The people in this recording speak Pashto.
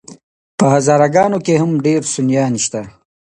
په هزاره ګانو کي هم ډير سُنيان شته